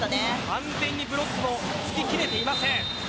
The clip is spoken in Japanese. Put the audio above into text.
完全にブロックがつき切れていません。